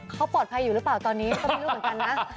เขาปลอดภัยอยู่หรือเปล่าตอนนี้ก็ไม่รู้เหมือนกันนะ